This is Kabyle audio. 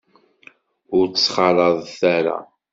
Ur t-ttxalaḍet ara.